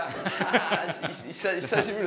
久しぶり。